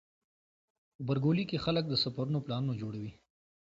غبرګولی کې خلک د سفرونو پلانونه جوړوي.